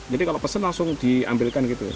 jadi kalau pesan langsung diambilkan gitu